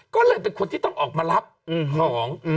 ก็เลยเป็นคนที่ต้องออกมารับของ